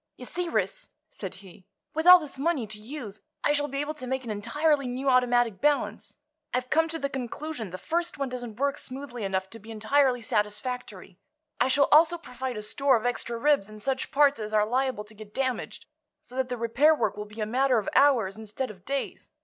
"You see, Ris," said he, "with all this money to use I shall be able to make an entirely new automatic balance. I've come to the conclusion the first one doesn't work smoothly enough to be entirely satisfactory. I shall also provide a store of extra ribs and such parts as are liable to get damaged, so that the repair work will be a matter of hours instead of days.